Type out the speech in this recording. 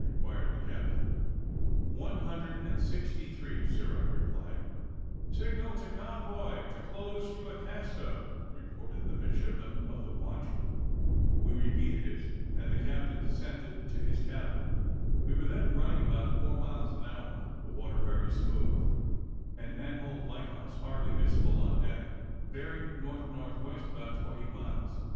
inquired the captain. "One hundred and sixty three, sir," replied I. "Signal to convoy to close from the Acasta," reported the midshipman of the watch. We repeated it, and the captain descended to his cabin. We were then running about four miles an hour, the water very smooth, and Anholt lighthouse hardly visible on deck, bearing N.N.W. about twenty miles.